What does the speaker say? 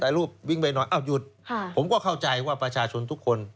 รูปวิ่งไปหน่อยอ้าวหยุดผมก็เข้าใจว่าประชาชนทุกคน